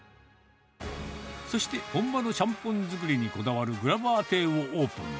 そして、本場のちゃんぽん作りにこだわるグラバー亭をオープン。